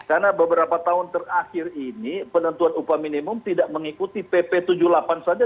karena beberapa tahun terakhir ini penentuan upah minimum tidak mengikuti pp tujuh puluh delapan saja